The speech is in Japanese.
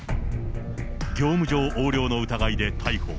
業務上横領の疑いで逮捕。